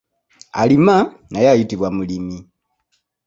Alima naye ayitibwa mulimi.